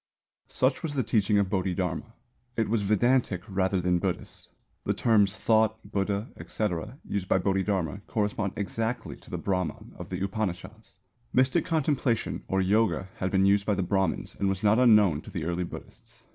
Such was the teaching of Bodhidharma. It was Vedantic rather than Buddhist. The terms "thought," "Buddha," etc., used by Bodhidharma correspond exactly to the brahman of the Upanishads. Mystic contemplation or yoga had been used by the Brahmins and was not unknown to the early Buddhists.